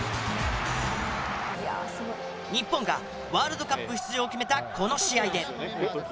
日本がワールドカップ出場を決めたこの試合で。